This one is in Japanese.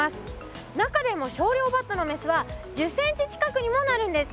中でもショウリョウバッタのメスは１０ｃｍ近くにもなるんです。